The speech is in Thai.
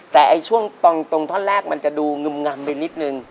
แต่ช่วงตรงท่อนแรกมันจะดูงึมงำไปนิดนึง